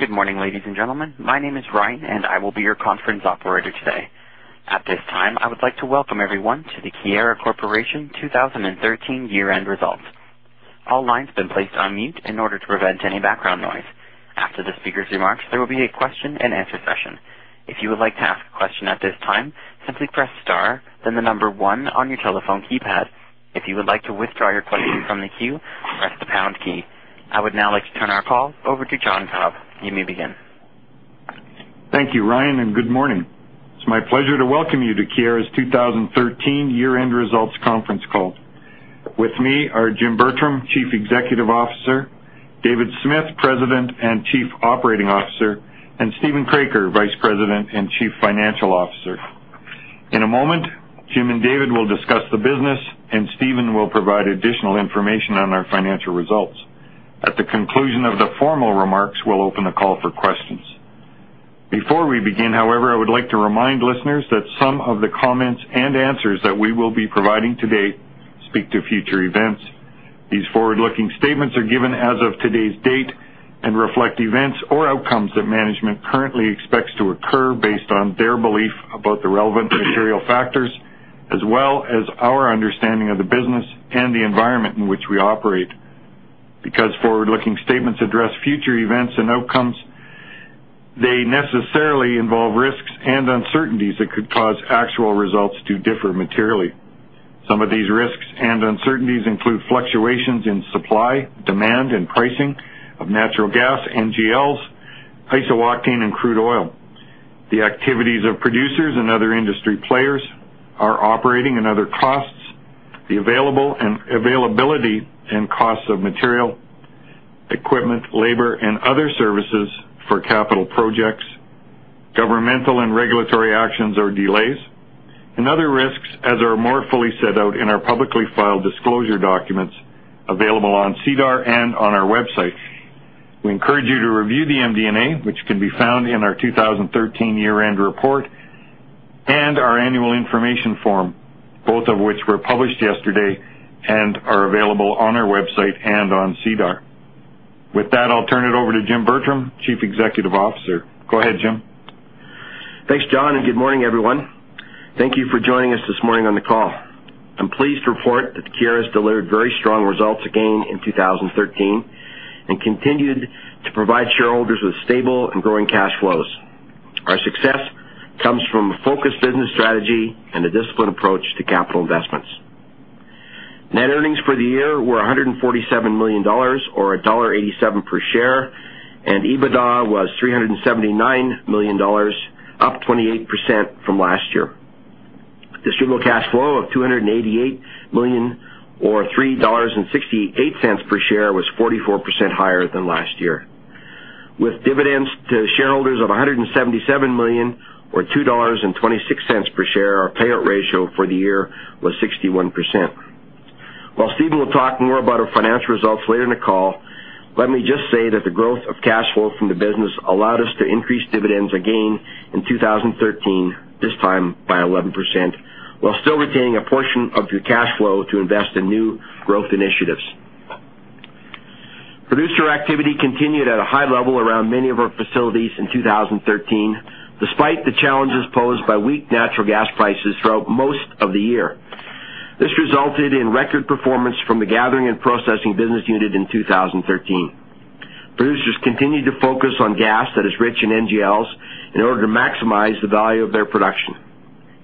Good morning, ladies and gentlemen. My name is Ryan, and I will be your conference operator today. At this time, I would like to welcome everyone to the Keyera Corporation 2013 year-end results. All lines have been placed on mute in order to prevent any background noise. After the speaker's remarks, there will be a question and answer session. If you would like to ask a question at this time, simply press star, then the number one on your telephone keypad. If you would like to withdraw your question from the queue, press the pound key. I would now like to turn our call over to John Cobb. You may begin. Thank you, Ryan, and good morning. It's my pleasure to welcome you to Keyera's 2013 year-end results conference call. With me are Jim Bertram, Chief Executive Officer, David Smith, President and Chief Operating Officer, and Steven Kroeker, Vice President and Chief Financial Officer. In a moment, Jim and David will discuss the business, and Steven will provide additional information on our financial results. At the conclusion of the formal remarks, we'll open the call for questions. Before we begin, however, I would like to remind listeners that some of the comments and answers that we will be providing today speak to future events. These forward-looking statements are given as of today's date and reflect events or outcomes that management currently expects to occur based on their belief about the relevant material factors, as well as our understanding of the business and the environment in which we operate. Because forward-looking statements address future events and outcomes, they necessarily involve risks and uncertainties that could cause actual results to differ materially. Some of these risks and uncertainties include fluctuations in supply, demand, and pricing of natural gas, NGLs, isooctane, and crude oil. The activities of producers and other industry players, operating and other costs, the availability and costs of material, equipment, labor, and other services for capital projects, governmental and regulatory actions or delays, and other risks as are more fully set out in our publicly filed disclosure documents available on SEDAR and on our website. We encourage you to review the MD&A, which can be found in our 2013 year-end report and our annual information form, both of which were published yesterday and are available on our website and on SEDAR. With that, I'll turn it over to Jim Bertram, Chief Executive Officer. Go ahead, Jim. Thanks, John, and good morning, everyone. Thank you for joining us this morning on the call. I'm pleased to report that Keyera has delivered very strong results again in 2013 and continued to provide shareholders with stable and growing cash flows. Our success comes from a focused business strategy and a disciplined approach to capital investments. Net earnings for the year were 147 million dollars, or dollar 1.87 per share, and EBITDA was 379 million dollars, up 28% from last year. Distributable cash flow of 288 million or 3.68 dollars per share was 44% higher than last year. With dividends to shareholders of CAD 177 million or CAD 2.26 per share, our payout ratio for the year was 61%. While Steven will talk more about our financial results later in the call, let me just say that the growth of cash flow from the business allowed us to increase dividends again in 2013, this time by 11%, while still retaining a portion of the cash flow to invest in new growth initiatives. Producer activity continued at a high level around many of our facilities in 2013, despite the challenges posed by weak natural gas prices throughout most of the year. This resulted in record performance from the gathering and processing business unit in 2013. Producers continued to focus on gas that is rich in NGLs in order to maximize the value of their production.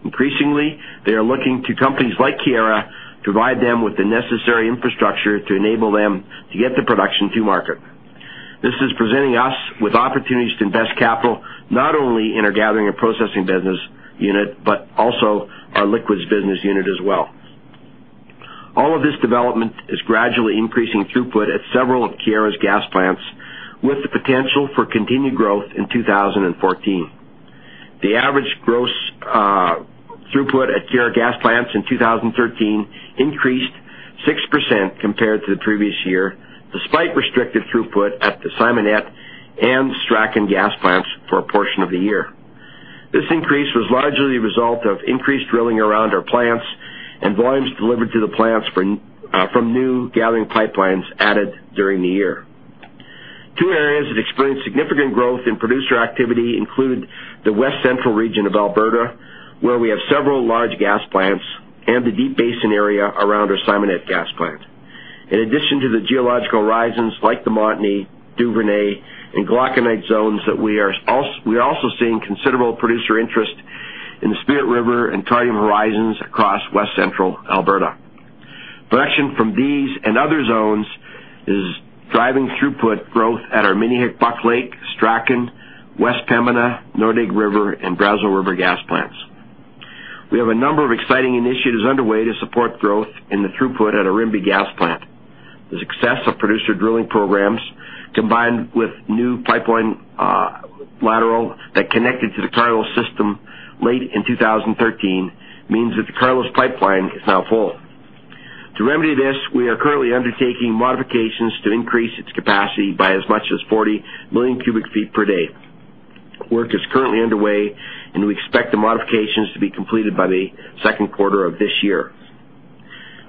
Increasingly, they are looking to companies like Keyera to provide them with the necessary infrastructure to enable them to get the production to market. This is presenting us with opportunities to invest capital, not only in our gathering and processing business unit, but also our liquids business unit as well. All of this development is gradually increasing throughput at several of Keyera's gas plants, with the potential for continued growth in 2014. The average gross throughput at Keyera's gas plants in 2013 increased 6% compared to the previous year, despite restricted throughput at the Simonette and Strachan gas plants for a portion of the year. This increase was largely a result of increased drilling around our plants and volumes delivered to the plants from new gathering pipelines added during the year. Two areas that experienced significant growth in producer activity include the West Central region of Alberta, where we have several large gas plants and the Deep Basin area around our Simonette gas plant. In addition to the geological horizons like the Montney, Duvernay, and Glauconite zones, we are also seeing considerable producer interest in the Spirit River and Cardium horizons across west central Alberta. Production from these and other zones is driving throughput growth at our Minnehik-Buck Lake, Strachan, West Pembina, Nordegg River, and Brazeau River gas plants. We have a number of exciting initiatives underway to support growth in the throughput at our Rimbey gas plant. The success of producer drilling programs, combined with new pipeline lateral that connected to the Carlos system late in 2013, means that the Carlos pipeline is now full. To remedy this, we are currently undertaking modifications to increase its capacity by as much as 40 MMcf/d. Work is currently underway, and we expect the modifications to be completed by the second quarter of this year.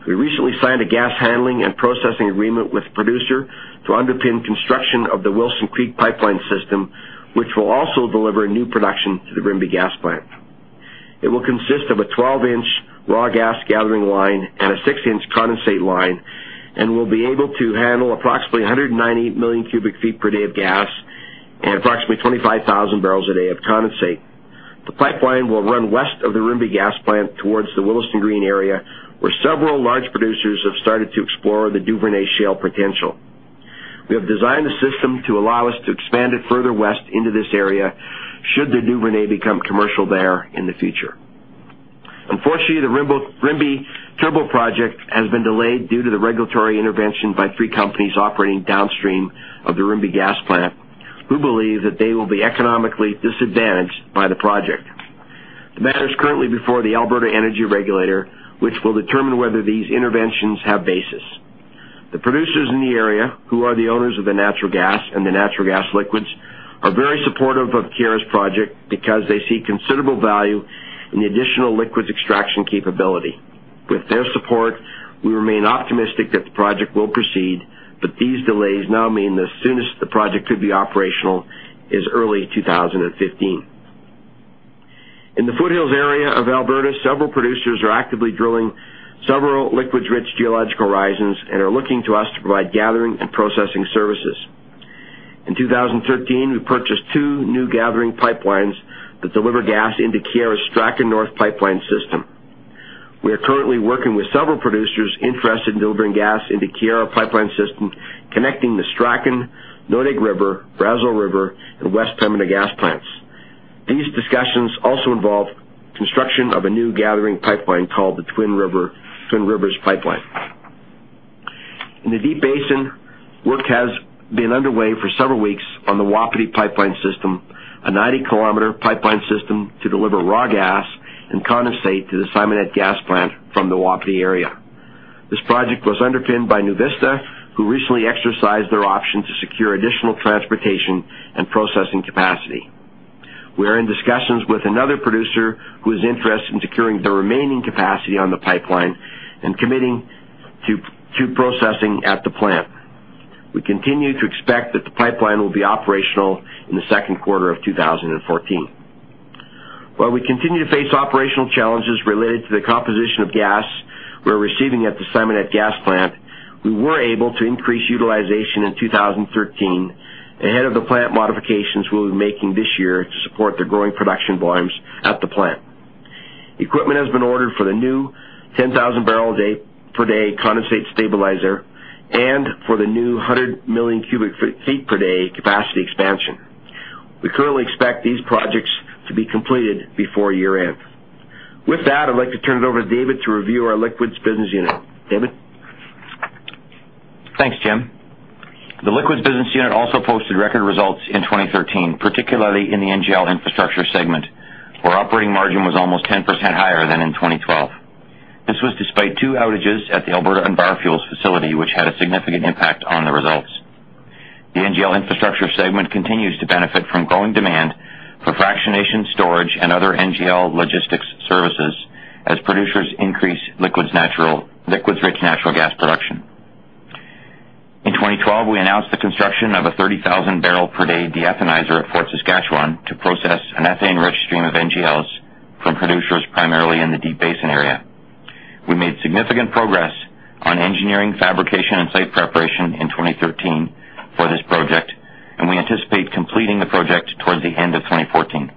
We recently signed a gas handling and processing agreement with a producer to underpin construction of the Wilson Creek pipeline system, which will also deliver new production to the Rimbey gas plant. It will consist of a 12-inch raw gas gathering line and a 6-inch condensate line, and will be able to handle approximately 190 MMcf/d of gas and approximately 25,000 barrels a day of condensate. The pipeline will run west of the Rimbey gas plant towards the Willesden Green area, where several large producers have started to explore the Duvernay shale potential. We have designed the system to allow us to expand it further west into this area should the Duvernay become commercial there in the future. Unfortunately, the Rimbey Turbo project has been delayed due to the regulatory intervention by three companies operating downstream of the Rimbey gas plant, who believe that they will be economically disadvantaged by the project. The matter is currently before the Alberta Energy Regulator, which will determine whether these interventions have basis. The producers in the area who are the owners of the natural gas and the natural gas liquids are very supportive of Keyera's project because they see considerable value in the additional liquids extraction capability. With their support, we remain optimistic that the project will proceed, but these delays now mean the soonest the project could be operational is early 2015. In the foothills area of Alberta, several producers are actively drilling several liquids rich geological horizons and are looking to us to provide gathering and processing services. In 2013, we purchased two new gathering pipelines that deliver gas into Keyera's Strachan North pipeline system. We are currently working with several producers interested in delivering gas into Keyera pipeline systems connecting the Strachan, Nordegg River, Brazeau River, and West Pembina gas plants. These discussions also involve construction of a new gathering pipeline called the Twin Rivers pipeline. In the Deep Basin, work has been underway for several weeks on the Wapiti pipeline system, a 90 km pipeline system to deliver raw gas and condensate to the Simonette gas plant from the Wapiti area. This project was underpinned by NuVista, who recently exercised their option to secure additional transportation and processing capacity. We are in discussions with another producer who is interested in securing the remaining capacity on the pipeline and committing to processing at the plant. We continue to expect that the pipeline will be operational in the second quarter of 2014. While we continue to face operational challenges related to the composition of gas we're receiving at the Simonette Gas plant, we were able to increase utilization in 2013 ahead of the plant modifications we'll be making this year to support the growing production volumes at the plant. Equipment has been ordered for the new 10,000 bpd condensate stabilizer and for the new 100 MMcf/d capacity expansion. We currently expect these projects to be completed before year-end. With that, I'd like to turn it over to David to review our liquids business unit. David? Thanks, Jim. The liquids business unit also posted record results in 2013, particularly in the NGL Infrastructure segment, where operating margin was almost 10% higher than in 2012. This was despite two outages at the Alberta EnviroFuels facility, which had a significant impact on the results. The NGL Infrastructure segment continues to benefit from growing demand for fractionation storage and other NGL logistics services as producers increase liquids-rich natural gas production. In 2012, we announced the construction of a 30,000 bpd de-ethanizer at Fort Saskatchewan to process an ethane-rich stream of NGLs from producers primarily in the Deep Basin area. We made significant progress on engineering, fabrication, and site preparation in 2013 for this project, and we anticipate completing the project towards the end of 2014.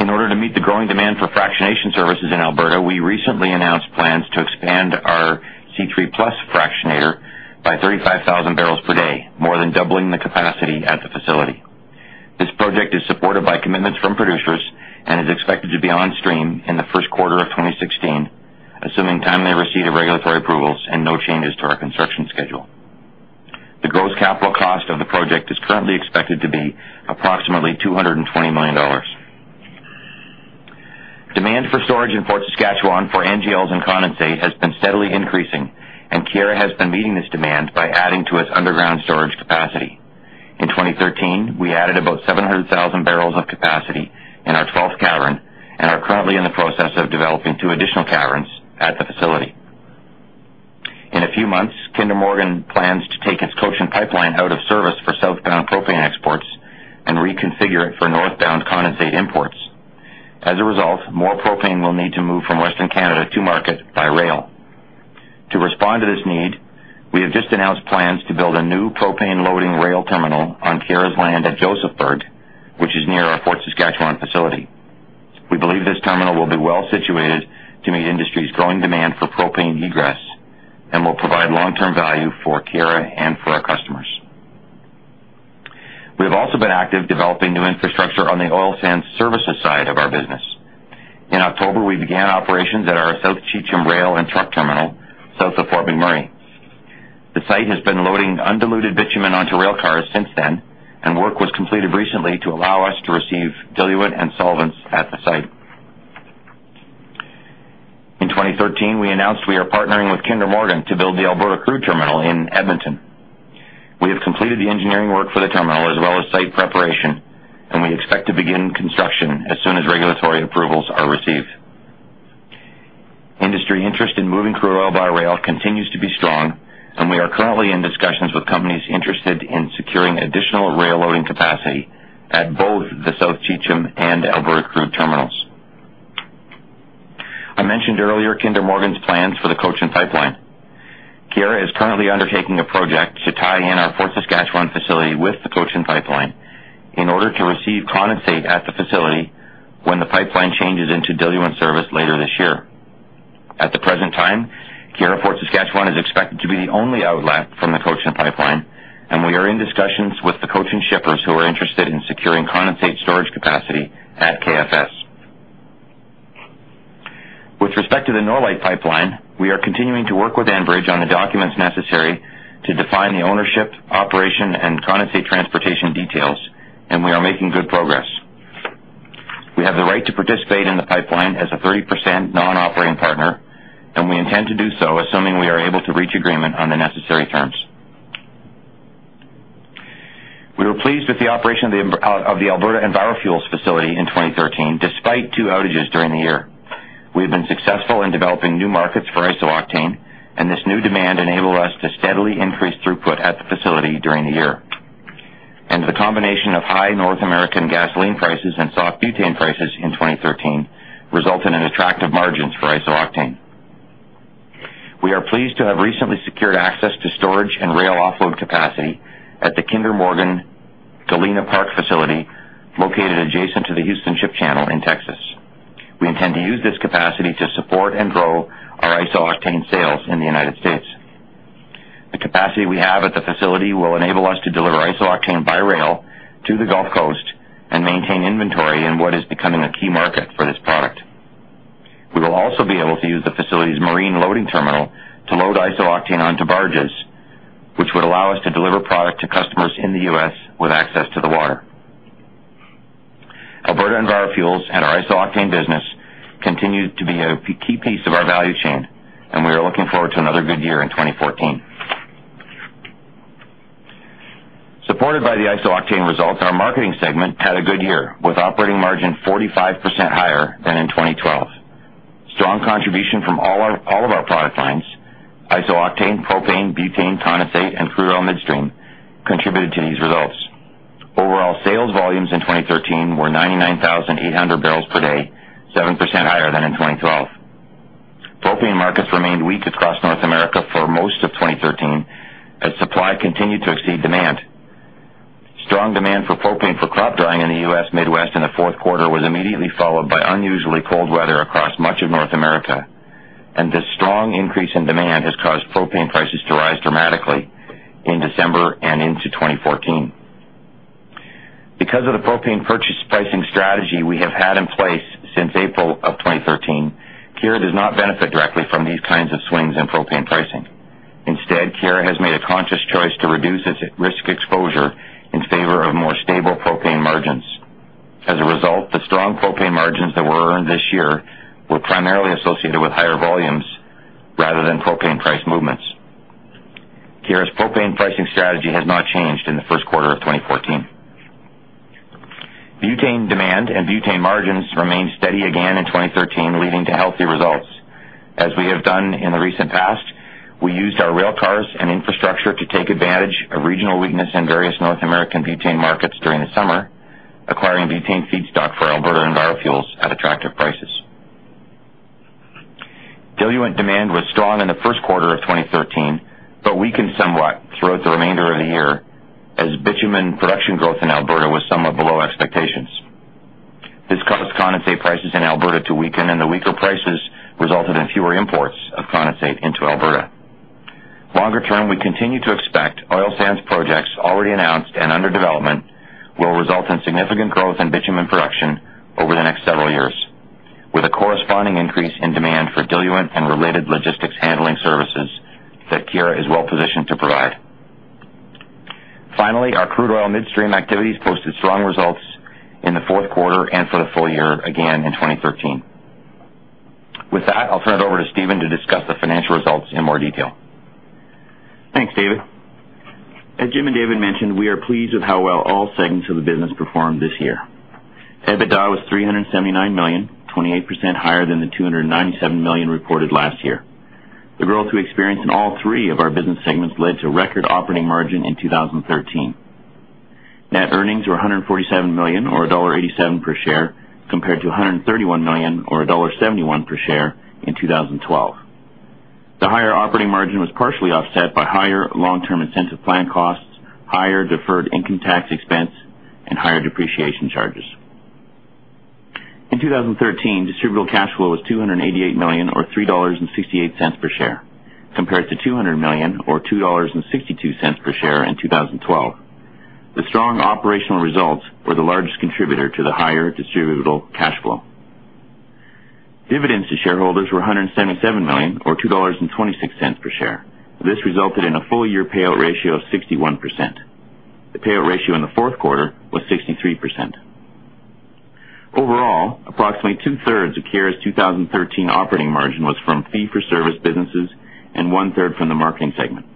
In order to meet the growing demand for fractionation services in Alberta, we recently announced plans to expand our C3+ fractionator by 35,000 bpd, more than doubling the capacity at the facility. This project is supported by commitments from producers and is expected to be on stream in the first quarter of 2016, assuming timely receipt of regulatory approvals and no changes to our construction schedule. The gross capital cost of the project is currently expected to be approximately 220 million dollars. Demand for storage in Fort Saskatchewan for NGLs and condensate has been steadily increasing, and Keyera has been meeting this demand by adding to its underground storage capacity. In 2013, we added about 700,000 barrels of capacity in our 12th cavern and are currently in the process of developing two additional caverns at the facility. In a few months, Kinder Morgan plans to take its Cochin pipeline out of service for southbound propane exports and reconfigure it for northbound condensate imports. As a result, more propane will need to move from Western Canada to market by rail. To respond to this need, we have just announced plans to build a new propane loading rail terminal on Keyera's land at Josephburg, which is near our Fort Saskatchewan facility. We believe this terminal will be well situated to meet the industry's growing demand for propane egress and will provide long-term value for Keyera and for our customers. We have also been active developing new infrastructure on the oil sands services side of our business. In October, we began operations at our South Cheecham rail and truck terminal south of Fort McMurray. The site has been loading undiluted bitumen onto rail cars since then, and work was completed recently to allow us to receive diluent and solvents at the site. In 2013, we announced we are partnering with Kinder Morgan to build the Alberta Crude Terminal in Edmonton. We have completed the engineering work for the terminal, as well as site preparation, and we expect to begin construction as soon as regulatory approvals are received. Industry interest in moving crude oil by rail continues to be strong, and we are currently in discussions with companies interested in securing additional rail loading capacity at both the South Cheecham and Alberta Crude Terminals. I mentioned earlier Kinder Morgan's plans for the Cochin Pipeline. Keyera is currently undertaking a project to tie in our Fort Saskatchewan facility with the Cochin Pipeline in order to receive condensate at the facility when the pipeline changes into diluent service later this year. At the present time, Keyera Fort Saskatchewan is expected to be the only outlet from the Cochin Pipeline, and we are in discussions with the Cochin shippers who are interested in securing condensate storage capacity at KFS. With respect to the Norlite Pipeline, we are continuing to work with Enbridge on the documents necessary to define the ownership, operation, and condensate transportation details, and we are making good progress. We have the right to participate in the pipeline as a 30% non-operating partner, and we intend to do so, assuming we are able to reach agreement on the necessary terms. We were pleased with the operation of the Alberta EnviroFuels facility in 2013, despite two outages during the year. We have been successful in developing new markets for isooctane, and this new demand enabled us to steadily increase throughput at the facility during the year. The combination of high North American gasoline prices and soft butane prices in 2013 resulted in attractive margins for isooctane. We are pleased to have recently secured access to storage and rail offload capacity at the Kinder Morgan Galena Park facility, located adjacent to the Houston Ship Channel in Texas. We intend to use this capacity to support and grow our isooctane sales in the United States. The capacity we have at the facility will enable us to deliver isooctane by rail to the Gulf Coast and maintain inventory in what is becoming a key market for this product. We will also be able to use the facility's marine loading terminal to load isooctane onto barges, which would allow us to deliver product to customers in the U.S. with access to the water. Alberta EnviroFuels and our isooctane business continue to be a key piece of our value chain, and we are looking forward to another good year in 2014. Supported by the isooctane results, our marketing segment had a good year, with operating margin 45% higher than in 2012. Strong contribution from all of our product lines, isooctane, propane, butane, condensate, and crude oil midstream, contributed to these results. Overall sales volumes in 2013 were 99,800 bpd, 7% higher than in 2012. Propane markets remained weak across North America for most of 2013 as supply continued to exceed demand. Strong demand for propane for crop drying in the U.S. Midwest in the fourth quarter was immediately followed by unusually cold weather across much of North America, and this strong increase in demand has caused propane prices to rise dramatically in December and into 2014. Because of the propane purchase pricing strategy we have had in place since April of 2013, Keyera does not benefit directly from these kinds of swings in propane pricing. Instead, Keyera has made a conscious choice to reduce its risk exposure in favor of more stable propane margins. As a result, the strong propane margins that were earned this year were primarily associated with higher volumes rather than propane price movements. Keyera's propane pricing strategy has not changed in the first quarter of 2014. Butane demand and butane margins remained steady again in 2013, leading to healthy results. As we have done in the recent past, we used our rail cars and infrastructure to take advantage of regional weakness in various North American butane markets during the summer, acquiring butane feedstock for Alberta EnviroFuels at attractive prices. Diluent demand was strong in the first quarter of 2013, but weakened somewhat throughout the remainder of the year, as bitumen production growth in Alberta was somewhat below expectations. This caused condensate prices in Alberta to weaken, and the weaker prices resulted in fewer imports of condensate into Alberta. Longer-term, we continue to expect oil sands projects already announced and under development will result in significant growth in bitumen production over the next several years with a corresponding increase in demand for diluent and related logistics handling services that Keyera is well-positioned to provide. Finally, our crude oil midstream activities posted strong results in the fourth quarter and for the full year again in 2013. With that, I'll turn it over to Steven to discuss the financial results in more detail. Thanks, David. As Jim and David mentioned, we are pleased with how well all segments of the business performed this year. EBITDA was CAD 379 million, 28% higher than the CAD 297 million reported last year. The growth we experienced in all three of our business segments led to record operating margin in 2013. Net earnings were 147 million or dollar 1.87 per share, compared to 131 million or dollar 1.71 per share in 2012. The higher operating margin was partially offset by higher long-term incentive plan costs, higher deferred income tax expense, and higher depreciation charges. In 2013, distributable cash flow was CAD 288 million or CAD 3.68 per share, compared to CAD 200 million or CAD 2.62 per share in 2012. The strong operational results were the largest contributor to the higher distributable cash flow. Dividends to shareholders were CAD 177 million or CAD 2.26 per share. This resulted in a full-year payout ratio of 61%. The payout ratio in the fourth quarter was 63%. Overall, approximately 2/3 of Keyera's 2013 operating margin was from fee-for-service businesses and one-third from the marketing segment.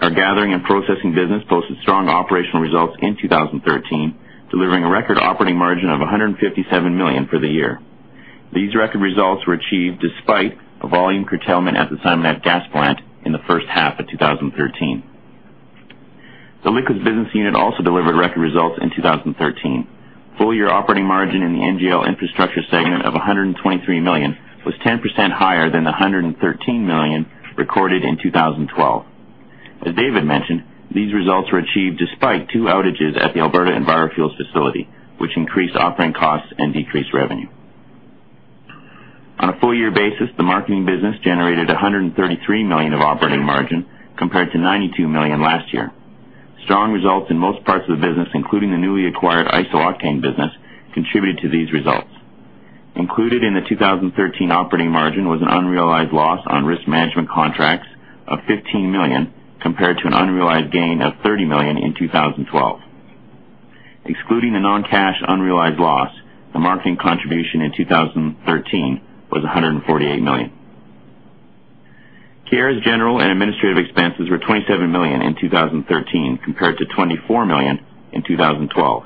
Our gathering and processing business posted strong operational results in 2013, delivering a record operating margin of 157 million for the year. These record results were achieved despite a volume curtailment at the Simonette gas plant in the first half of 2013. The liquids business unit also delivered record results in 2013. Full-year operating margin in the NGL infrastructure segment of 123 million was 10% higher than the 113 million recorded in 2012. As David mentioned, these results were achieved despite two outages at the Alberta EnviroFuels facility, which increased operating costs and decreased revenue. On a full year basis, the marketing business generated 133 million of operating margin compared to 92 million last year. Strong results in most parts of the business, including the newly acquired isooctane business, contributed to these results. Included in the 2013 operating margin was an unrealized loss on risk management contracts of 15 million, compared to an unrealized gain of 30 million in 2012. Excluding the non-cash unrealized loss, the marketing contribution in 2013 was 148 million. Keyera's general and administrative expenses were 27 million in 2013 compared to 24 million in 2012.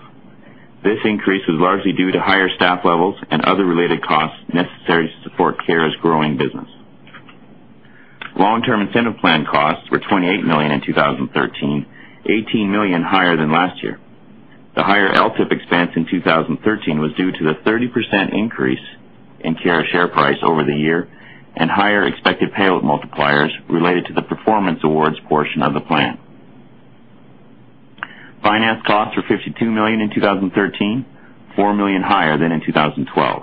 This increase was largely due to higher staff levels and other related costs necessary to support Keyera's growing business. Long-term incentive plan costs were 28 million in 2013, 18 million higher than last year. The higher LTIP expense in 2013 was due to the 30% increase in Keyera share price over the year and higher expected payout multipliers related to the performance awards portion of the plan. Finance costs were CAD 52 million in 2013, CAD 4 million higher than in 2012.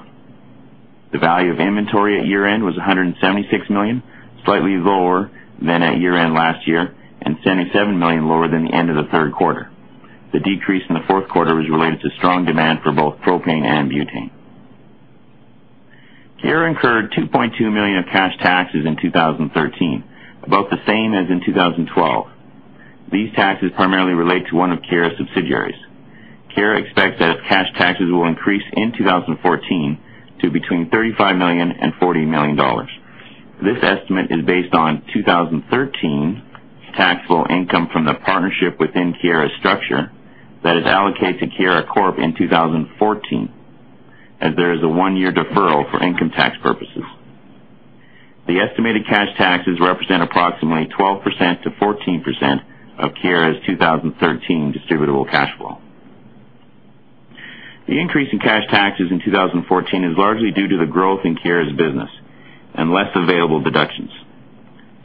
The value of inventory at year-end was CAD 176 million, slightly lower than at year-end last year, and CAD 77 million lower than the end of the third quarter. The decrease in the fourth quarter was related to strong demand for both propane and butane. Keyera incurred 2.2 million of cash taxes in 2013, about the same as in 2012. These taxes primarily relate to one of Keyera's subsidiaries. Keyera expects that its cash taxes will increase in 2014 to between 35 million and 40 million dollars. This estimate is based on 2013 tax flow income from the partnership within Keyera's structure that is allocated to Keyera Corp in 2014, as there is a one-year deferral for income tax purposes. The estimated cash taxes represent approximately 12%-14% of Keyera's 2013 distributable cash flow. The increase in cash taxes in 2014 is largely due to the growth in Keyera's business and less available deductions.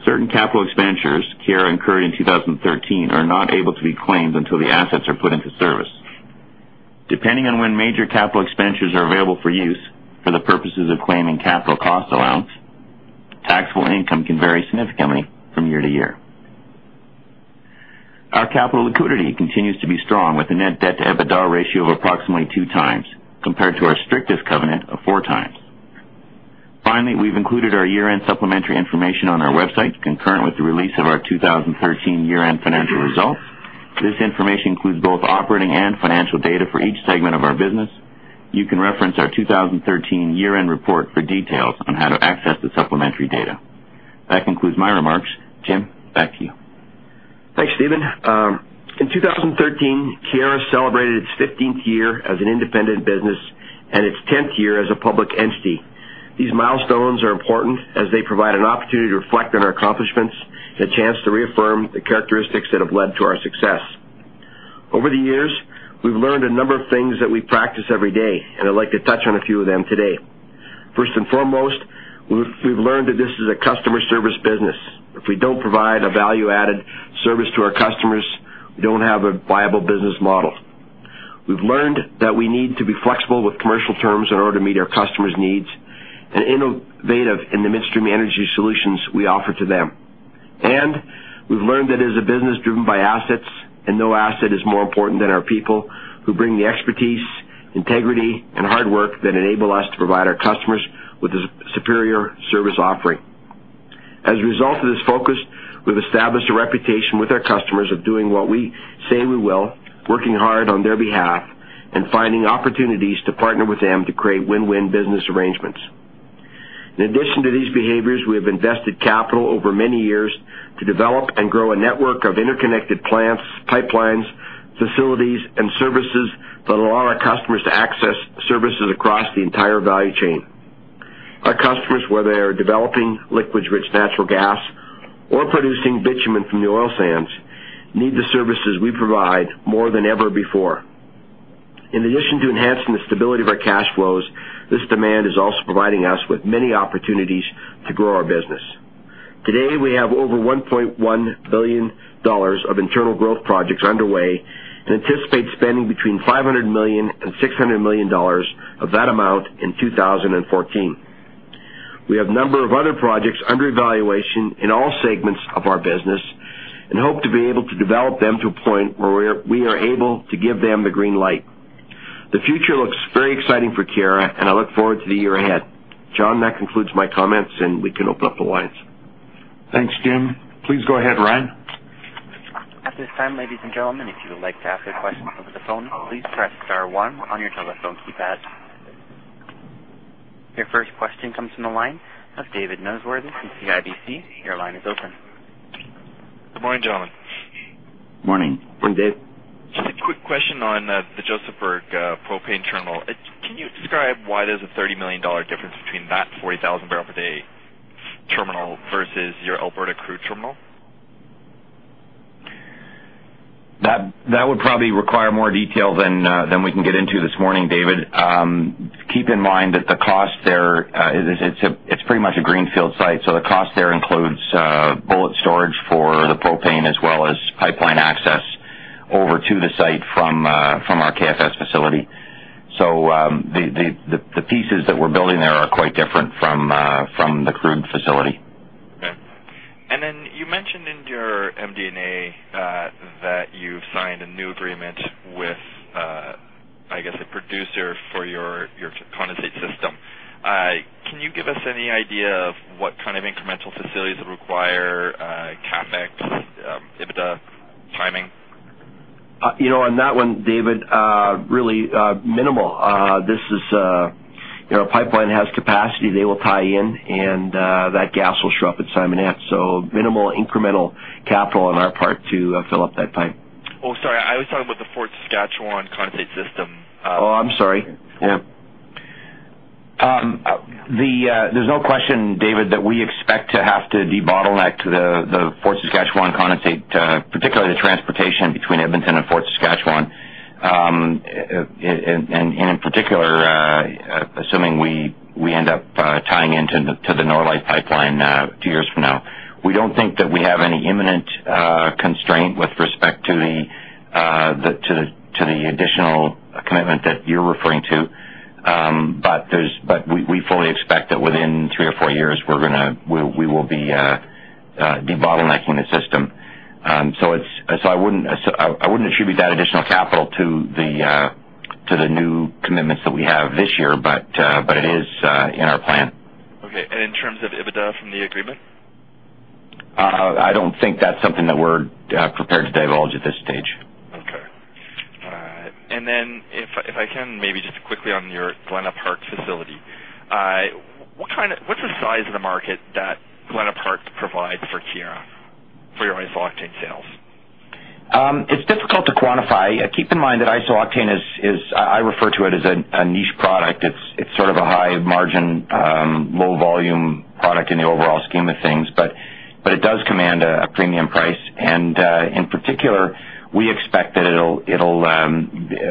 Certain capital expenditures Keyera incurred in 2013 are not able to be claimed until the assets are put into service. Depending on when major capital expenditures are available for use for the purposes of claiming capital cost allowance, taxable income can vary significantly from year to year. Our capital liquidity continues to be strong, with a net debt-to-EBITDA ratio of approximately two times, compared to our strictest covenant of four times. Finally, we've included our year-end supplementary information on our website concurrent with the release of our 2013 year-end financial results. This information includes both operating and financial data for each segment of our business. You can reference our 2013 year-end report for details on how to access the supplementary data. That concludes my remarks. Jim, back to you. Thanks, Steven. In 2013, Keyera celebrated its 15th year as an independent business and its 10th year as a public entity. These milestones are important as they provide an opportunity to reflect on our accomplishments and a chance to reaffirm the characteristics that have led to our success. Over the years, we've learned a number of things that we practice every day, and I'd like to touch on a few of them today. First and foremost, we've learned that this is a customer service business. If we don't provide a value-added service to our customers, we don't have a viable business model. We've learned that we need to be flexible with commercial terms in order to meet our customers' needs and innovative in the midstream energy solutions we offer to them. We've learned that it is a business driven by assets, and no asset is more important than our people who bring the expertise, integrity, and hard work that enable us to provide our customers with a superior service offering. As a result of this focus, we've established a reputation with our customers of doing what we say we will, working hard on their behalf, and finding opportunities to partner with them to create win-win business arrangements. In addition to these behaviors, we have invested capital over many years to develop and grow a network of interconnected plants, pipelines, facilities, and services that allow our customers to access services across the entire value chain. Our customers, whether they are developing liquids-rich natural gas or producing bitumen from the oil sands, need the services we provide more than ever before. In addition to enhancing the stability of our cash flows, this demand is also providing us with many opportunities to grow our business. Today, we have over 1.1 billion dollars of internal growth projects underway and anticipate spending between 500 million and 600 million dollars of that amount in 2014. We have a number of other projects under evaluation in all segments of our business and hope to be able to develop them to a point where we are able to give them the green light. The future looks very exciting for Keyera, and I look forward to the year ahead. John, that concludes my comments, and we can open up the lines. Thanks, Jim. Please go ahead, Ryan. At this time, ladies and gentlemen, if you would like to ask a question over the phone, please press star one on your telephone keypad. Your first question comes from the line of David Noseworthy from CIBC. Your line is open. Good morning, gentlemen. Morning. Good morning, Dave. Just a quick question on the Josephburg propane terminal. Can you describe why there's a 30 million dollar difference between that 40,000 bpd terminal versus your Alberta Crude Terminal? That would probably require more detail than we can get into this morning, David. Keep in mind that the cost there, it's pretty much a greenfield site, so the cost there includes bullet storage for the propane as well as pipeline access over to the site from our KFS facility. The pieces that we're building there are quite different from the crude facility. Okay. You mentioned in your MD&A that you've signed a new agreement with, I guess, a producer for your condensate system. Can you give us any idea of what kind of incremental facilities require CapEx, EBITDA timing? On that one, David, really minimal. This is a pipeline has capacity, they will tie in, and that gas will show up at Simonette, so minimal incremental capital on our part to fill up that pipe. Oh, sorry, I was talking about the Fort Saskatchewan condensate system. Oh, I'm sorry. Yeah. There's no question, David, that we expect to have to debottleneck the Fort Saskatchewan condensate, particularly the transportation between Edmonton and Fort Saskatchewan, and in particular, assuming we end up tying into the Norlite pipeline two years from now. We don't think that we have any imminent constraint with respect to the additional commitment that you're referring to. But we fully expect that within three or four years, we will be debottlenecking the system. I wouldn't attribute that additional capital to the new commitments that we have this year, but it is in our plan. Okay. In terms of EBITDA from the agreement? I don't think that's something that we're prepared to divulge at this stage. Okay. If I can maybe just quickly on your Galena Park facility. What's the size of the market that Galena Park provides for Keyera for your isooctane sales? It's difficult to quantify. Keep in mind that isooctane is, I refer to it as a niche product. It's sort of a high margin, low volume product in the overall scheme of things. It does command a premium price, and in particular, we expect that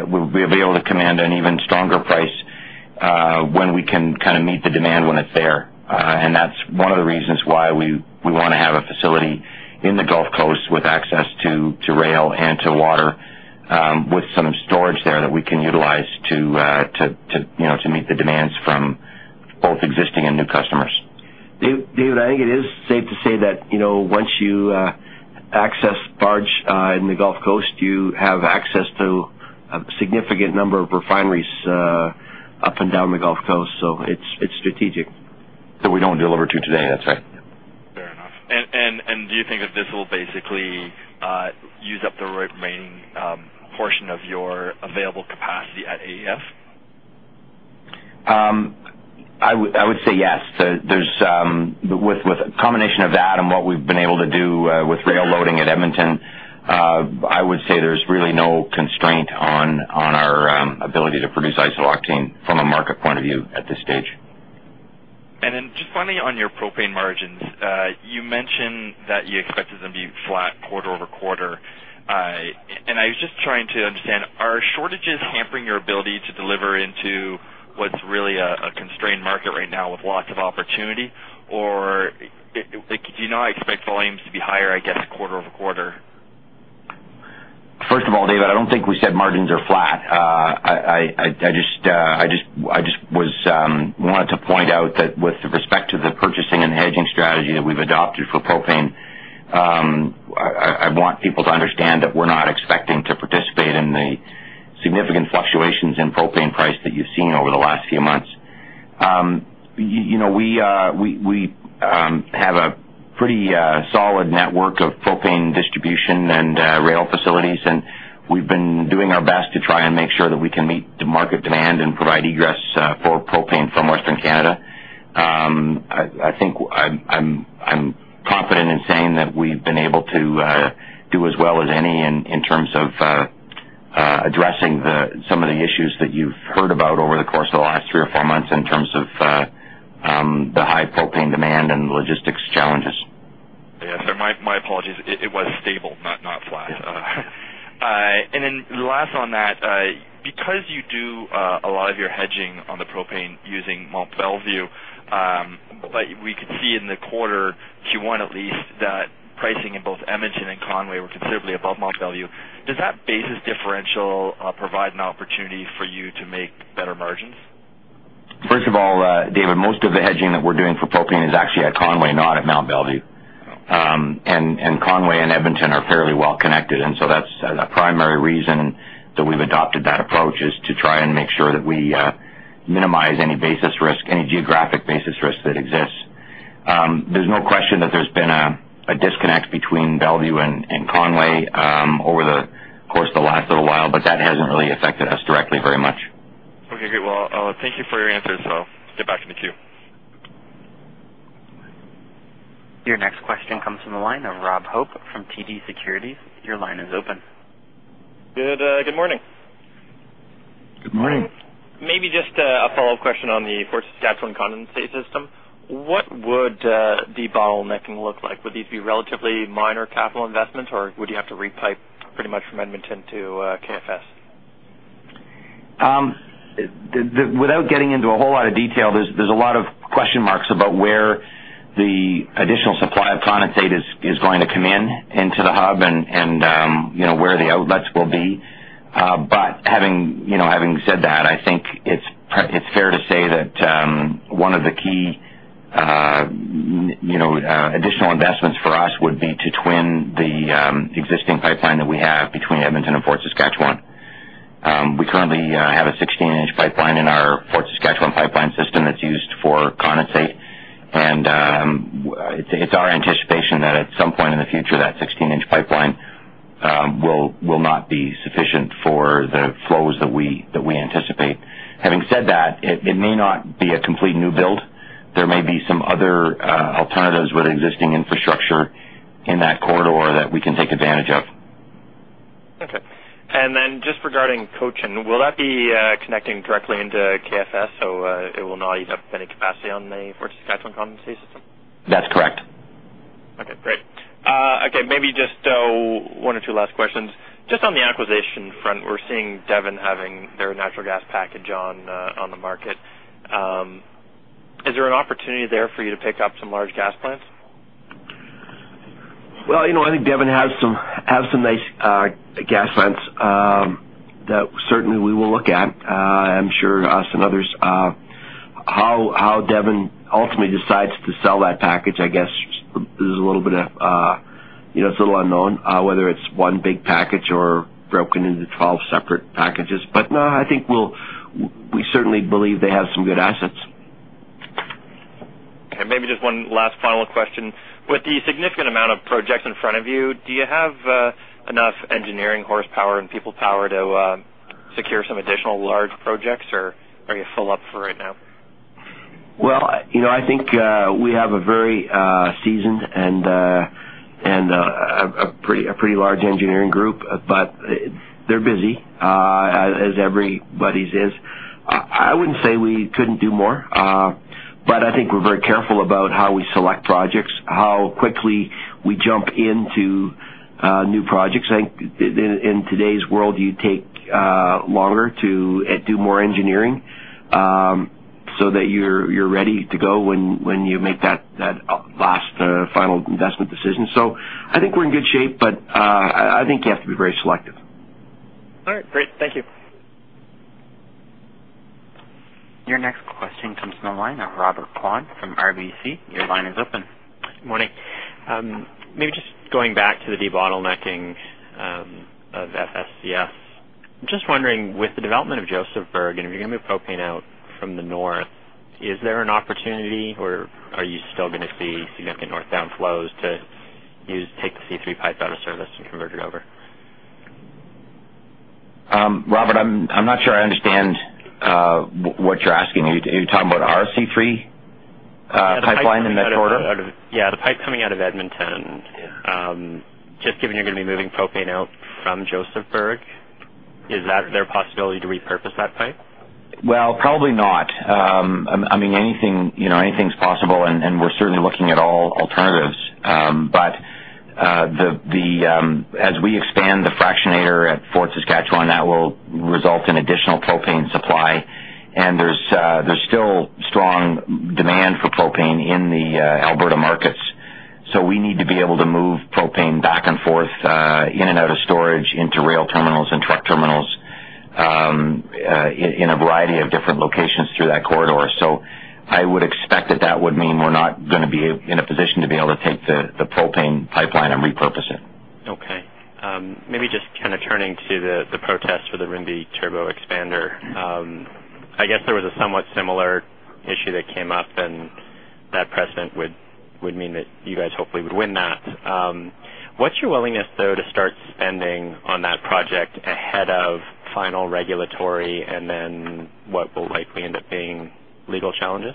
we'll be able to command an even stronger price when we can meet the demand when it's there. That's one of the reasons why we want to have a facility in the Gulf Coast with access to rail and to water, with some storage there that we can utilize to meet the demands from both existing and new customers. David, I think it is safe to say that, once you access barge in the Gulf Coast, you have access to a significant number of refineries up and down the Gulf Coast, so it's strategic. That we don't deliver to today, that's right. Fair enough. Do you think that this will basically use up the remaining portion of your available capacity at AEF? I would say yes. With a combination of that and what we've been able to do with rail loading at Edmonton, I would say there's really no constraint on our ability to produce isooctane from a market point of view at this stage. Just finally on your propane margins, you mentioned that you expected them to be flat quarter-over-quarter. I was just trying to understand, are shortages hampering your ability to deliver into what's really a constrained market right now with lots of opportunity? Or do you not expect volumes to be higher, I guess, quarter-over-quarter? First of all, David, I don't think we said margins are flat. I just wanted to point out that with respect to the purchasing and hedging strategy that we've adopted for propane, I want people to understand that we're not expecting to participate in the significant fluctuations in propane price that you've seen over the last few months. We have a pretty solid network of propane distribution and rail facilities, and we've been doing our best to try and make sure that we can meet the market demand and provide egress for propane from Western Canada. I think I'm confident in saying that we've been able to do as well as any in terms of addressing some of the issues that you've heard about over the course of the last three or four months in terms of the high propane demand and logistics challenges. Yes, sir. My apologies. It was stable, not flat. Yeah. Last on that, because you do a lot of your hedging on the propane using Mont Belvieu, but we could see in the quarter, Q1 at least, that pricing in both Edmonton and Conway were considerably above Mont Belvieu. Does that basis differential provide an opportunity for you to make better margins? First of all, David, most of the hedging that we're doing for propane is actually at Conway, not at Mont Belvieu. Conway and Edmonton are fairly well connected, and so that's a primary reason that we've adopted that approach, is to try and make sure that we minimize any basis risk, any geographic basis risk that exists. There's no question that there's been a disconnect between Mont Belvieu and Conway over the course of the last little while, but that hasn't really affected us directly very much. Okay. Well, thank you for your answers. I'll get back in the queue. Your next question comes from the line of Rob Hope from TD Securities. Your line is open. Good morning. Good morning. Maybe just a follow-up question on the Fort Saskatchewan condensate system. What would debottlenecking look like? Would these be relatively minor capital investments, or would you have to re-pipe pretty much from Edmonton to KFS? Without getting into a whole lot of detail, there's a lot of question marks about where the additional supply of condensate is going to come in into the hub and where the outlets will be. Having said that, I think it's fair to say that one of the key additional investments for us would be to twin the existing pipeline that we have between Edmonton and Fort Saskatchewan. We currently have a 16-inch pipeline in our Fort Saskatchewan pipeline system that's used for condensate. It's our anticipation that at some point in the future, that 16-inch pipeline will not be sufficient for the flows that we anticipate. Having said that, it may not be a complete new build. There may be some other alternatives with existing infrastructure in that corridor that we can take advantage of. Okay. Just regarding Cochin, will that be connecting directly into KFS, so it will not use up any capacity on the Fort Saskatchewan condensate system? That's correct. Okay, great. Okay, maybe just one or two last questions. Just on the acquisition front, we're seeing Devon having their natural gas package on the market. Is there an opportunity there for you to pick up some large gas plants? Well, I think Devon has some nice gas plants that certainly we will look at. I'm sure us and others. How Devon ultimately decides to sell that package, I guess it's a little unknown whether it's one big package or broken into 12 separate packages. No, we certainly believe they have some good assets. Okay, maybe just one last final question. With the significant amount of projects in front of you, do you have enough engineering horsepower and people power to secure some additional large projects, or are you full up for right now? Well, I think we have a very seasoned and a pretty large engineering group, but they're busy, as everybody's is. I wouldn't say we couldn't do more, but I think we're very careful about how we select projects, how quickly we jump into new projects. I think in today's world, you take longer to do more engineering, so that you're ready to go when you make that last final investment decision. I think we're in good shape, but I think you have to be very selective. All right, great. Thank you. Your next question comes from the line of Robert Kwan from RBC. Your line is open. Good morning. Maybe just going back to the debottlenecking of FSCS. I'm just wondering, with the development of Josephburg, and if you're going to move propane out from the north, is there an opportunity, or are you still going to see significant north-bound flows to take the C3 pipe out of service and convert it over? Robert, I'm not sure I understand what you're asking. Are you talking about our C3 pipeline in that Edmonton? Yeah, the pipe coming out of Edmonton. Just given you're going to be moving propane out from Josephburg, is there a possibility to repurpose that pipe? Well, probably not. Anything's possible, and we're certainly looking at all alternatives. As we expand the fractionator at Fort Saskatchewan, that will result in additional propane supply, and there's still strong demand for propane in the Alberta markets. We need to be able to move propane back and forth in and out of storage into rail terminals and truck terminals in a variety of different locations through that corridor. I would expect that that would mean we're not going to be in a position to be able to take the propane pipeline and repurpose it. Okay. Maybe just kind of turning to the protest for the Rimbey Turbo Expander. I guess there was a somewhat similar issue that came up and that precedent would mean that you guys hopefully would win that. What's your willingness, though, to start spending on that project ahead of final regulatory and then what will likely end up being legal challenges?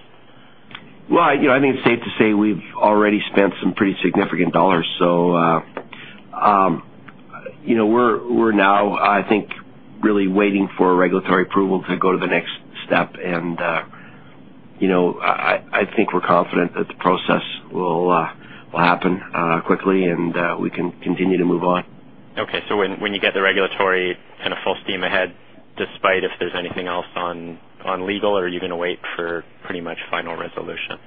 Well, I think it's safe to say we've already spent some pretty significant dollars. We're now, I think, really waiting for regulatory approval to go to the next step, and I think we're confident that the process will happen quickly, and we can continue to move on. Okay, when you get the regulatory kind of full steam ahead, despite if there's anything else on legal, are you going to wait for pretty much final resolution?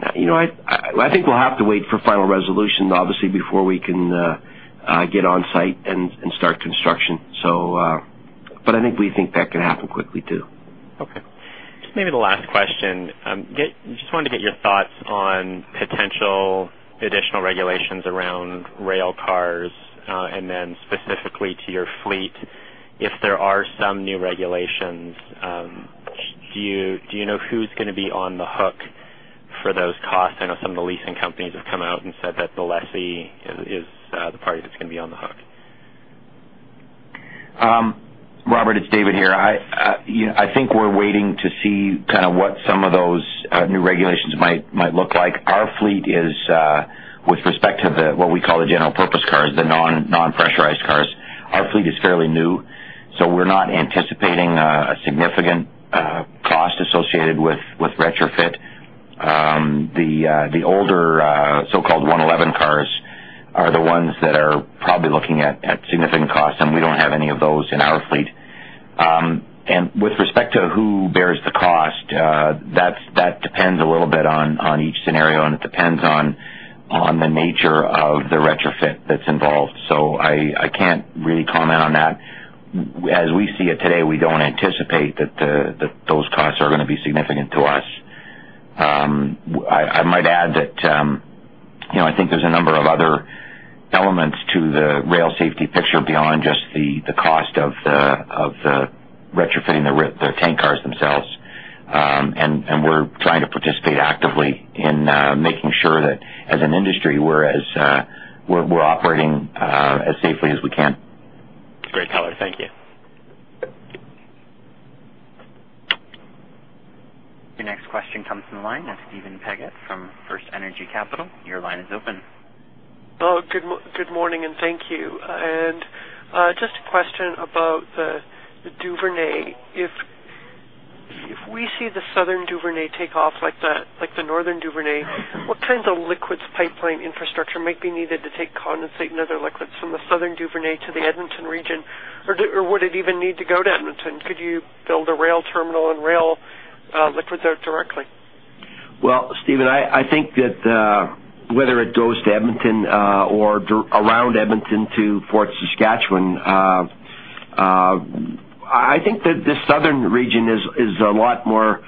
I think we'll have to wait for final resolution, obviously, before we can get on site and start construction. I think we think that can happen quickly, too. Okay. Just maybe the last question. Just wanted to get your thoughts on potential additional regulations around rail cars, and then specifically to your fleet. If there are some new regulations, do you know who's going to be on the hook for those costs? I know some of the leasing companies have come out and said that the lessee is the party that's going to be on the hook. Robert, it's David here. I think we're waiting to see what some of those new regulations might look like. Our fleet is, with respect to what we call the general purpose cars, the non-pressurized cars. Our fleet is fairly new, so we're not anticipating a significant cost associated with retrofit. The older so-called DOT-111 cars are the ones that are probably looking at significant costs, and we don't have any of those in our fleet. With respect to who bears the cost, that depends a little bit on each scenario, and it depends on the nature of the retrofit that's involved. I can't really comment on that. As we see it today, we don't anticipate that those costs are going to be significant to us. I might add that I think there's a number of other elements to the rail safety picture beyond just the cost of retrofitting the tank cars themselves. We're trying to participate actively in making sure that as an industry, we're operating as safely as we can. Great color. Thank you. Your next question comes from the line of Steven Paget from FirstEnergy Capital. Your line is open. Hello. Good morning, and thank you. Just a question about the Duvernay. If we see the Southern Duvernay take off like the Northern Duvernay, what kinds of liquids pipeline infrastructure might be needed to take condensate and other liquids from the Southern Duvernay to the Edmonton region? Or would it even need to go to Edmonton? Could you build a rail terminal and rail liquids out directly? Well, Steven, I think that whether it goes to Edmonton or around Edmonton to Fort Saskatchewan, I think that the southern region is a lot more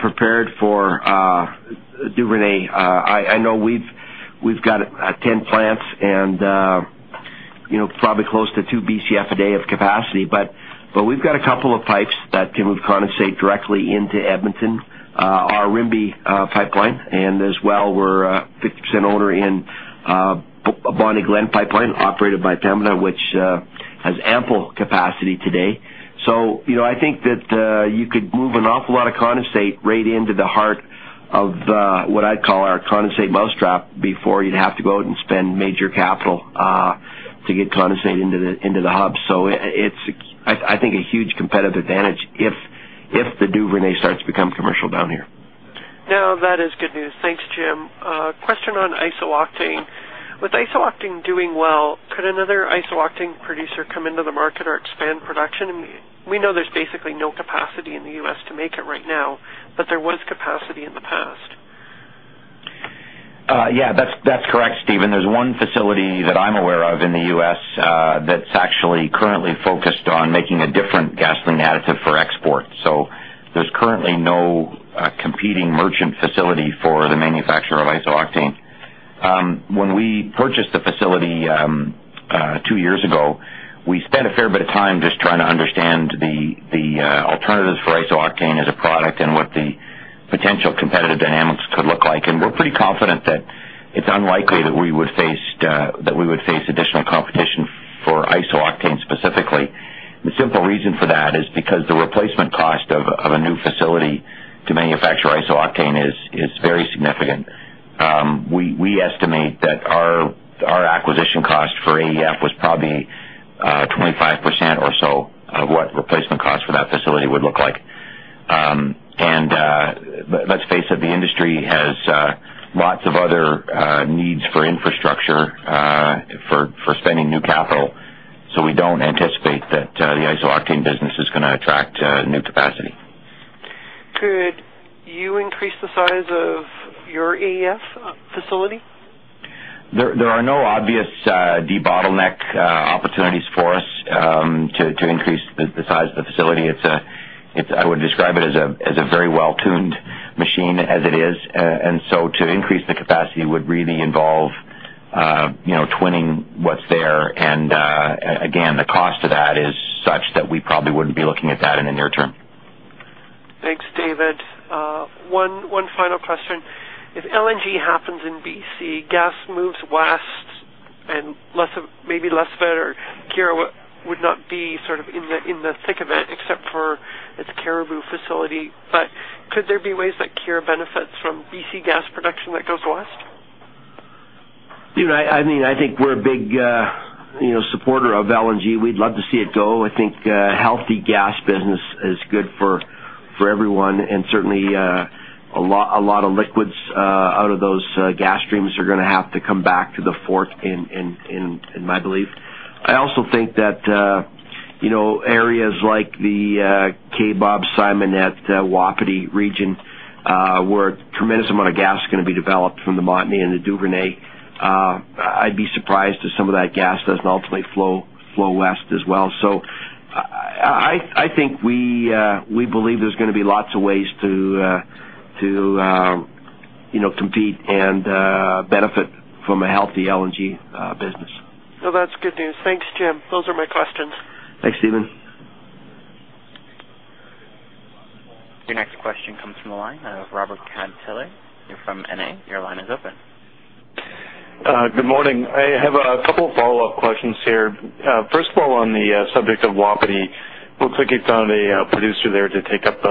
prepared for Duvernay. I know we've got 10 plants and probably close to 2 Bcf a day of capacity, but we've got a couple of pipes that can move condensate directly into Edmonton, our Rimbey pipeline, and as well, we're a 50% owner in Bonnie Glen pipeline operated by Pembina, which has ample capacity today. I think that you could move an awful lot of condensate right into the heart of what I'd call our condensate mousetrap before you'd have to go out and spend major capital to get condensate into the hub. It's, I think, a huge competitive advantage if the Duvernay starts to become commercial down here. Now that is good news. Thanks, Jim. A question on isooctane. With isooctane doing well, could another isooctane producer come into the market or expand production? We know there's basically no capacity in the U.S. to make it right now, but there was capacity in the past. Yeah, that's correct, Steven. There's one facility that I'm aware of in the U.S. that's actually currently focused on making a different gasoline additive for export. There's currently no competing merchant facility for the manufacturer of isooctane. When we purchased the facility two years ago, we spent a fair bit of time just trying to understand the alternatives for isooctane as a product and what the potential competitive dynamics could look like. We're pretty confident that it's unlikely that we would face additional competition for isooctane specifically. The simple reason for that is because the replacement cost of a new facility to manufacture isooctane is very significant. We estimate that our acquisition cost for AEF was probably 25% or so of what replacement cost for that facility would look like. Let's face it, the industry has lots of other needs for infrastructure for spending new capital. We don't anticipate that the isooctane business is going to attract new capacity. Could you increase the size of your AEF facility? There are no obvious debottleneck opportunities for us to increase the size of the facility. I would describe it as a very well-tuned machine as it is. The cost of that is such that we probably wouldn't be looking at that in the near-term. Thanks, David. One final question. If LNG happens in BC, gas moves west and maybe Lessford or Keyera would not be sort of in the thick of it, except for its Caribou facility. Could there be ways that Keyera benefits from BC gas production that goes west? Steven, I think we're a big supporter of LNG. We'd love to see it go. I think a healthy gas business is good for everyone, and certainly a lot of liquids out of those gas streams are going to have to come back to the Fort in my belief. I also think that areas like the Kaybob Simonette Wapiti region, where a tremendous amount of gas is going to be developed from the Montney and the Duvernay. I'd be surprised if some of that gas doesn't ultimately flow west as well. I think we believe there's going to be lots of ways to, you know, compete and benefit from a healthy LNG business. Well, that's good news. Thanks, Jim. Those are my questions. Thanks, Steven. Your next question comes from the line of Robert Catellier, you're from NA. Your line is open. Good morning. I have a couple of follow-up questions here. First of all, on the subject of Wapiti, looks like you found a producer there to take up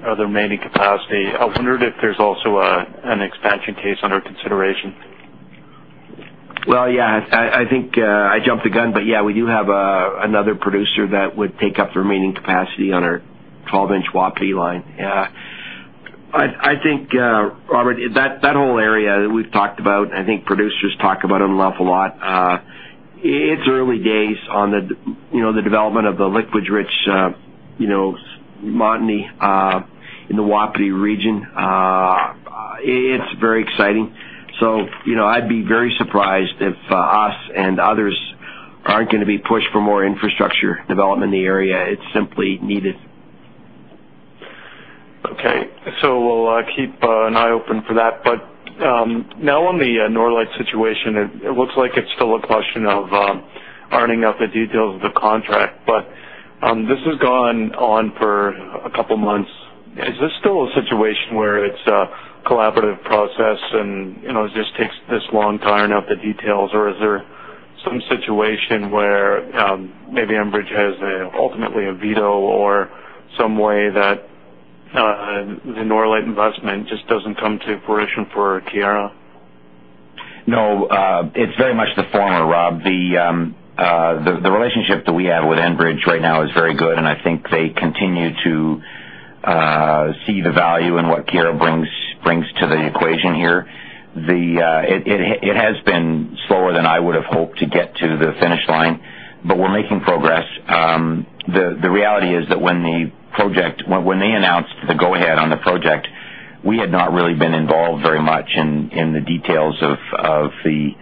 the other remaining capacity. I wondered if there's also an expansion case under consideration. Well, yeah. I think I jumped the gun, but yeah, we do have another producer that would take up the remaining capacity on our 12-inch Wapiti line. Yeah. I think, Robert, that whole area that we've talked about, and I think producers talk about it an awful lot, it's early days on the development of the liquids rich Montney in the Wapiti region. It's very exciting, so I'd be very surprised if us and others aren't going to be pushed for more infrastructure development in the area. It's simply needed. Okay. We'll keep an eye open for that. Now on the Norlite situation, it looks like it's still a question of ironing out the details of the contract, but this has gone on for a couple months. Is this still a situation where it's a collaborative process and it just takes this long to iron out the details? Is there some situation where maybe Enbridge has ultimately a veto or some way that the Norlite investment just doesn't come to fruition for Keyera? No. It's very much the former, Rob. The relationship that we have with Enbridge right now is very good, and I think they continue to see the value in what Keyera brings to the equation here. It has been slower than I would've hoped to get to the finish line, but we're making progress. The reality is that when they announced the go ahead on the project, we had not really been involved very much in the details of the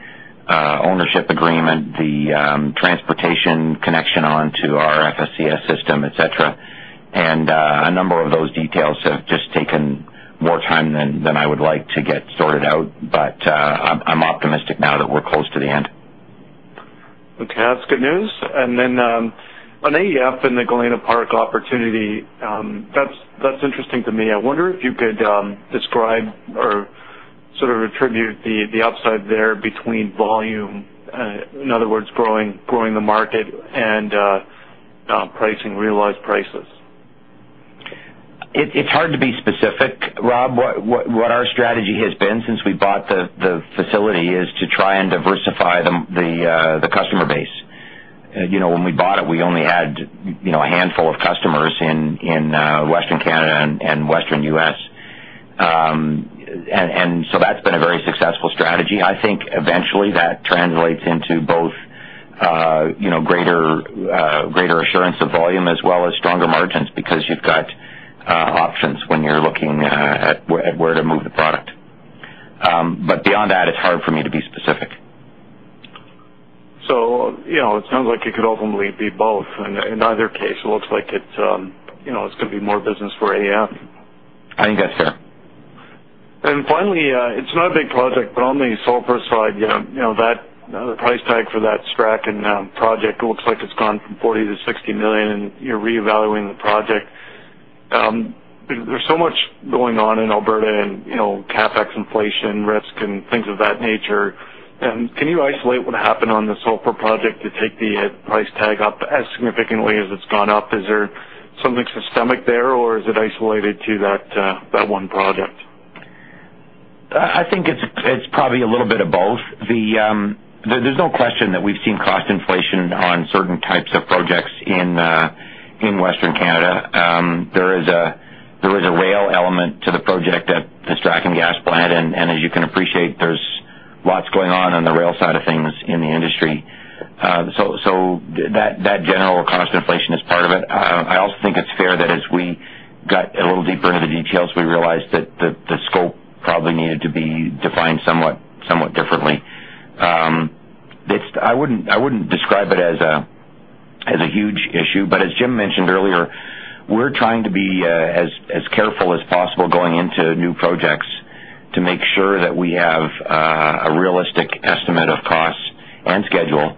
ownership agreement, the transportation connection onto our FSCS system, et cetera. And a number of those details have just taken more time than I would like to get sorted out. I'm optimistic now that we're close to the end. Okay. That's good news. On AEF and the Galena Park opportunity, that's interesting to me. I wonder if you could describe or sort of attribute the upside there between volume, in other words, growing the market and pricing realized prices. It's hard to be specific, Rob. What our strategy has been since we bought the facility is to try and diversify the customer base. When we bought it, we only had a handful of customers in Western Canada and Western U.S. That's been a very successful strategy. I think eventually that translates into both greater assurance of volume as well as stronger margins because you've got options when you're looking at where to move the product. Beyond that, it's hard for me to be specific. It sounds like it could ultimately be both. In either case, it looks like it's going to be more business for AEF. I think that's fair. Finally, it's not a big project, but on the sulfur side, the price tag for that Strachan project looks like it's gone from 40 million-60 million, and you're reevaluating the project. There's so much going on in Alberta and CapEx inflation risk and things of that nature, can you isolate what happened on the sulfur project to take the price tag up as significantly as it's gone up? Is there something systemic there or is it isolated to that one project? I think it's probably a little bit of both. There's no question that we've seen cost inflation on certain types of projects in Western Canada. There is a rail element to the project at the Strachan gas plant, and as you can appreciate, there's lots going on the rail side of things in the industry. So that general cost inflation is part of it. I also think it's fair that as we got a little deeper into the details, we realized that the scope probably needed to be defined somewhat differently. I wouldn't describe it as a huge issue, but as Jim mentioned earlier, we're trying to be as careful as possible going into new projects to make sure that we have a realistic estimate of costs and schedule,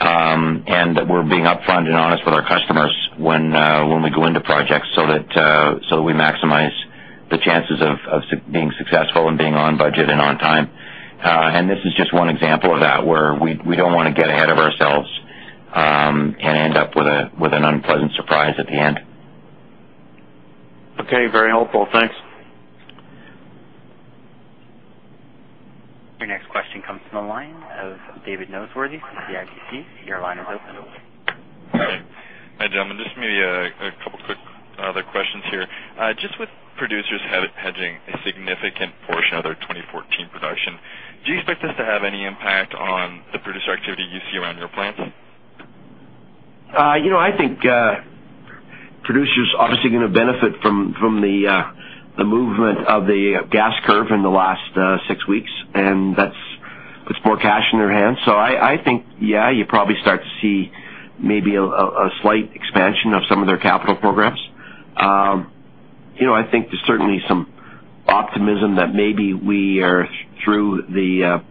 and that we're being upfront and honest with our customers when we go into projects so that we maximize the chances of being successful and being on budget and on time. This is just one example of that, where we don't want to get ahead of ourselves and end up with an unpleasant surprise at the end. Okay. Very helpful. Thanks. Your next question comes from the line of David Noseworthy from CIBC. Your line is open. Hi, gentlemen. Just maybe a couple quick other questions here. Just with producers hedging a significant portion of their 2014 production, do you expect this to have any impact on the producer activity you see around your plants? I think producers obviously are going to benefit from the movement of the gas curve in the last six weeks, and that's With more cash in their hands. I think, yeah, you'd probably start to see maybe a slight expansion of some of their capital programs. I think there's certainly some optimism that maybe we are through the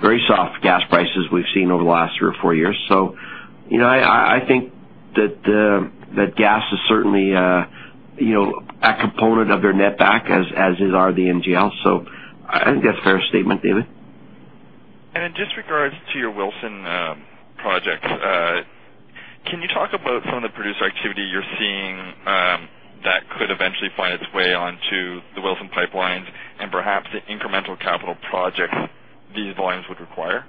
very soft gas prices we've seen over the last three or four years. I think that gas is certainly a component of their netback as is are the NGLs. I think that's a fair statement, David. In just regards to your Wilson projects, can you talk about some of the producer activity you're seeing that could eventually find its way onto the Wilson pipelines and perhaps the incremental capital projects these volumes would require?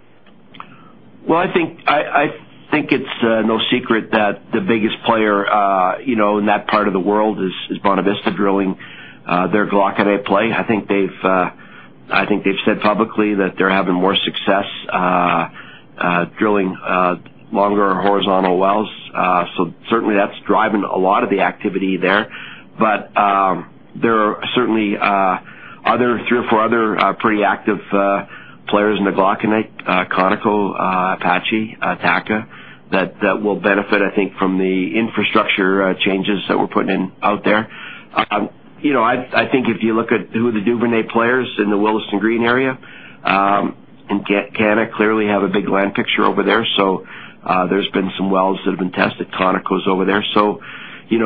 Well, I think it's no secret that the biggest player in that part of the world is Bonavista drilling their Glauconite play. I think they've said publicly that they're having more success drilling longer horizontal wells. Certainly, that's driving a lot of the activity there. There are certainly three or four other pretty active players in the Glauconite, Conoco, Apache, Encana, that will benefit, I think, from the infrastructure changes that we're putting out there. I think if you look at who the Duvernay players in the Willesden Green area, and Encana clearly have a big land picture over there. There's been some wells that have been tested. Conoco's over there.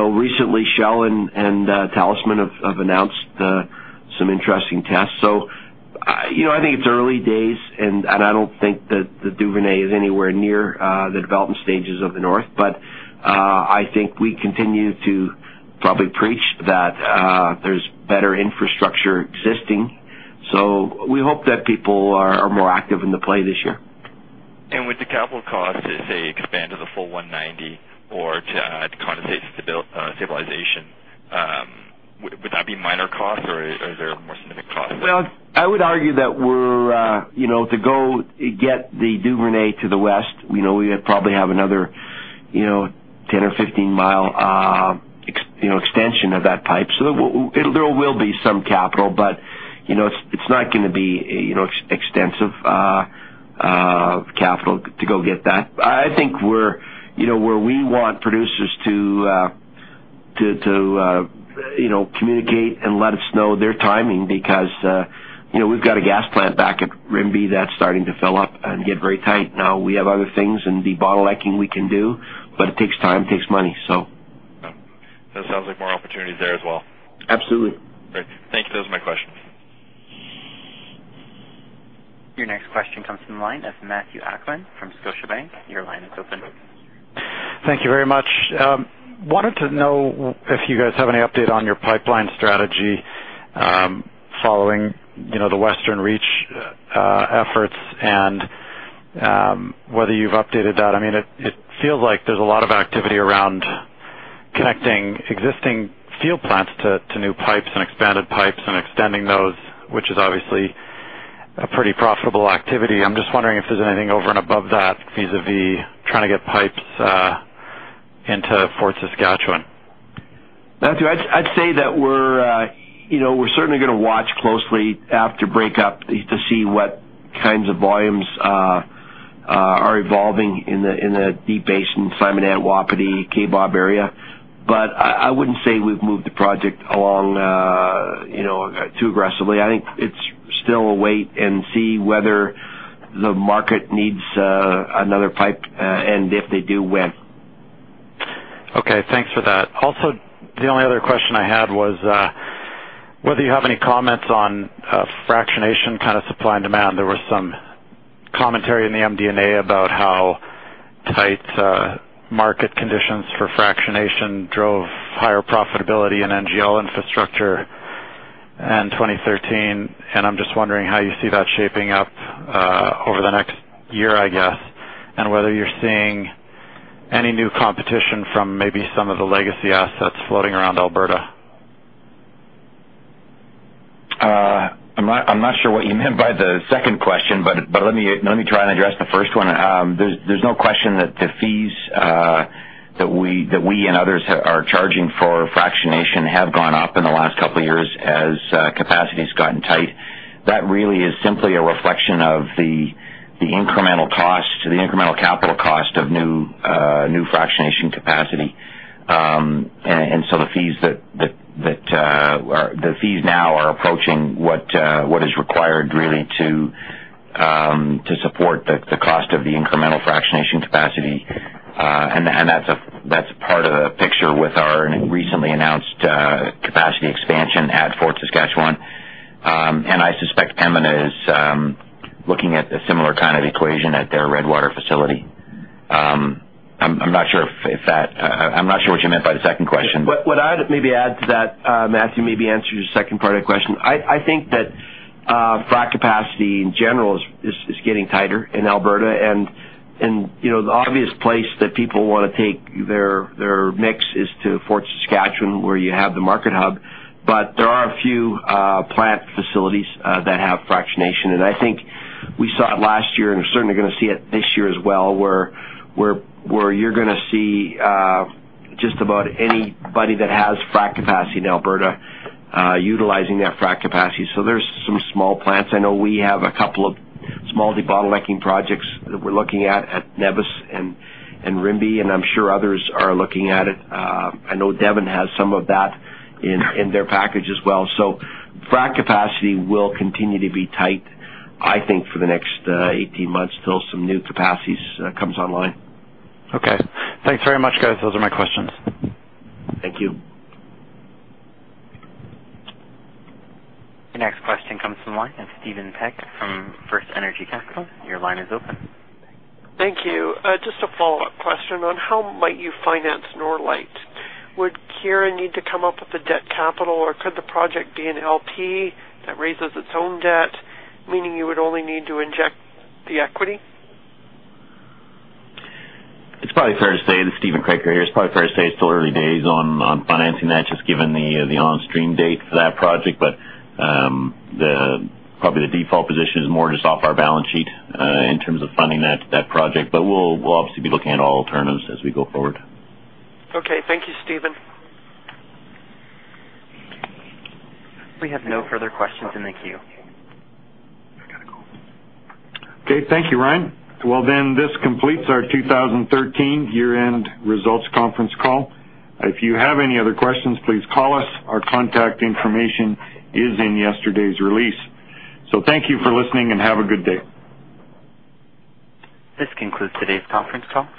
Recently Shell and Talisman have announced some interesting tests. I think it's early days, and I don't think that the Duvernay is anywhere near the development stages of the north. I think we continue to probably preach that there's better infrastructure existing. We hope that people are more active in the play this year. With the capital costs, say, expand to the full 190 or to condensate stabilization, would that be minor costs or are there more significant costs? Well, I would argue that to go get the Duvernay to the west, we probably have another 10 mi or 15 mi extension of that type. There will be some capital, but it's not going to be extensive capital to go get that. I think where we want producers to communicate and let us know their timing because we've got a gas plant back at Rimbey that's starting to fill up and get very tight. Now we have other things and debottlenecking we can do, but it takes time, takes money. That sounds like more opportunities there as well. Absolutely. Great. Thank you. Those are my questions. Your next question comes from the line of Matthew Akman from Scotiabank. Your line is open. Thank you very much. I wanted to know if you guys have any update on your pipeline strategy following the Western Reach efforts and whether you've updated that. It feels like there's a lot of activity around connecting existing field plants to new pipes and expanded pipes and extending those, which is obviously a pretty profitable activity. I'm just wondering if there's anything over and above that vis-a-vis trying to get pipes into Fort Saskatchewan. Matthew, I'd say that we're certainly going to watch closely after breakup to see what kinds of volumes are evolving in the Deep Basin, Simonette, Wapiti, Kaybob area. I wouldn't say we've moved the project along too aggressively. I think it's still a wait and see whether the market needs another pipe and if they do, when. Okay, thanks for that. Also, the only other question I had was whether you have any comments on fractionation kind of supply and demand. There was some commentary in the MD&A about how tight market conditions for fractionation drove higher profitability in NGL infrastructure in 2013, and I'm just wondering how you see that shaping up over the next year, I guess, and whether you're seeing any new competition from maybe some of the legacy assets floating around Alberta. I'm not sure what you meant by the second question, but let me try and address the first one. There's no question that the fees that we and others are charging for fractionation have gone up in the last couple of years as capacity's gotten tight. That really is simply a reflection of the incremental capital cost of new fractionation capacity. So the fees now are approaching what is required really to support the cost of the incremental fractionation capacity. That's part of the picture with our recently announced capacity expansion at Fort Saskatchewan. I suspect Imperial is looking at a similar kind of equation at their Redwater facility. I'm not sure what you meant by the second question. What I'd maybe add to that, Matthew, maybe answer your second part of the question. I think that frac capacity in general is getting tighter in Alberta, and the obvious place that people want to take their mix is to Fort Saskatchewan, where you have the market hub. But there are a few plant facilities that have fractionation, and I think we saw it last year, and we're certainly going to see it this year as well, where you're going to see just about anybody that has frac capacity in Alberta utilizing that frac capacity. So there's some small plants. I know we have a couple of small debottlenecking projects that we're looking at Nevis and Rimbey, and I'm sure others are looking at it. I know Devon has some of that in their package as well. Frac capacity will continue to be tight, I think, for the next 18 months till some new capacities comes online. Okay. Thanks very much, guys. Those are my questions. Thank you. The next question comes from the line of Steven Paget from FirstEnergy Capital. Your line is open. Thank you. Just a follow-up question on how might you finance Norlite. Would Keyera need to come up with the debt capital, or could the project be an LP that raises its own debt, meaning you would only need to inject the equity? It's probably fair to say. This is Steven Kroeker here. It's probably fair to say it's still early days on financing that, just given the on-stream date for that project. Probably the default position is more just off our balance sheet in terms of funding that project. We'll obviously be looking at all alternatives as we go forward. Okay. Thank you, Steven. We have no further questions in the queue. I got to go. Okay. Thank you, Ryan. Well, then this completes our 2013 year-end results conference call. If you have any other questions, please call us. Our contact information is in yesterday's release. Thank you for listening, and have a good day. This concludes today's conference call.